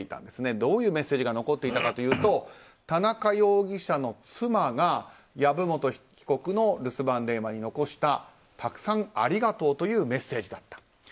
どういうメッセージが残っていたかというと田中容疑者の妻が籔本被告の留守番電話に残したたくさんありがとうというメッセージだった。